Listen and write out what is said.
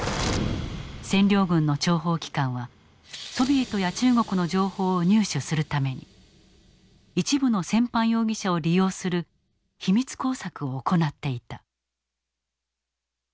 占領軍の諜報機関はソビエトや中国の情報を入手するために一部の戦犯容疑者を利用する秘密工作を行っていた。